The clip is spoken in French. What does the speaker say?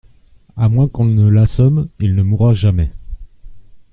À moins qu’on ne l’assomme, il ne mourra jamais.